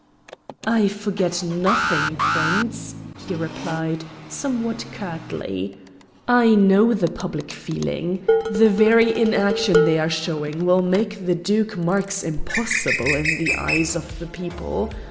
"I forget nothing, Prince," he replied, somewhat curtly. "I know the public feeling. The very inaction they are showing will make the Duke Marx impossible in the eyes of the people.